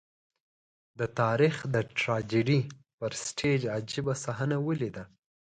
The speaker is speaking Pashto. د تاریخ د ټراجېډي پر سټېج عجيبه صحنه ولیده.